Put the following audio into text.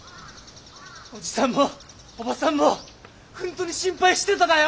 おじさんもおばさんも本当に心配してただよ！